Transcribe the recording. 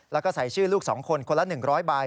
แล้วก็ใส่ชื่อลูก๒คนคนละ๑๐๐ใบ